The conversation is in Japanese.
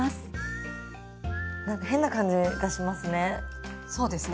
何か変な感じがしますね。